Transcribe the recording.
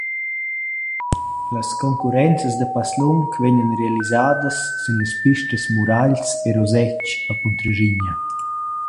Las concurrenzas da passlung vegnan realisadas sün las pistas Muragls e Roseg a Puntraschigna.